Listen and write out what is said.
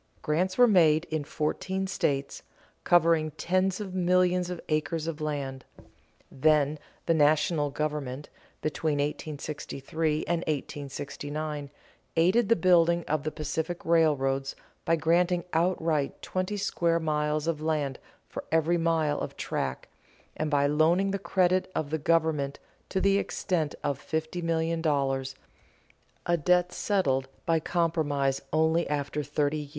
Grants were made in fourteen states, covering tens of millions of acres of land. Then the national government, between 1863 and 1869, aided the building of the Pacific railroads by granting outright twenty square miles of land for every mile of track and by loaning the credit of the government to the extent of fifty million dollars a debt settled by compromise only after thirty years.